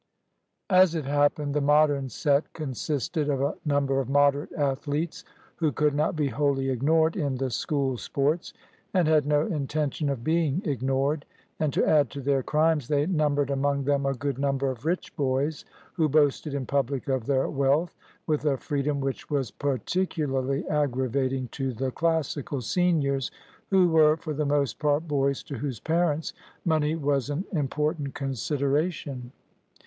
As it happened, the Modern set consisted of a number of moderate athletes who could not be wholly ignored in the School sports, and had no intention of being ignored. And to add to their crimes they numbered among them a good number of rich boys, who boasted in public of their wealth with a freedom which was particularly aggravating to the Classical seniors, who were for the most part boys to whose parents money was an important consideration.